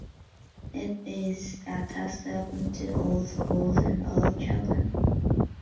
It is a test open to all schools and all children.